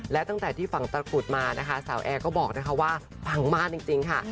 และตั้งแต่ที่ฝังตะกรุดมานะคะสาวแอร์ก็บอกนะคะว่าปังมากจริงค่ะ